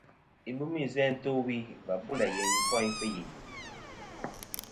Ibɨmi izæ to wi và bu læ yeyn ɨfoyn fɨ yini.